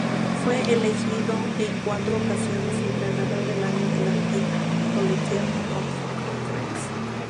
Fue elegido en cuatro ocasiones entrenador del año de la Indiana Collegiate Conference.